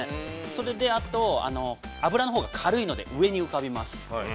それであと、油のほうが軽いので上に浮かびます。